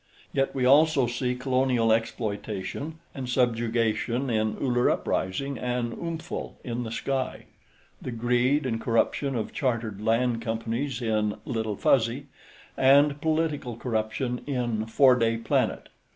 Yet we also see colonial exploitation and subjugation in Uller Uprising and "Oomphel in the Sky," the greed and corruption of Chartered land companies in Little Fuzzy, and political corruption in Four Day Planet.